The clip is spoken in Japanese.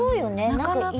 なかなか。